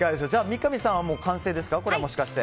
三上さんは完成ですか。